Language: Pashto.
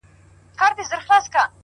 د وخت جلاد ته به د اوښکو په مثال ږغېږم!!